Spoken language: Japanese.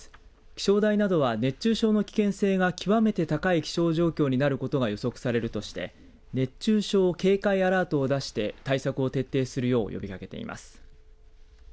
気象台などは熱中症の危険性が極めて高い気象状況になることが予測されるとして熱中症警戒アラートを出して対策を徹底するよう呼びかけています。